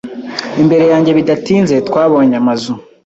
imbere yanjye Bidatinze twabonye amazu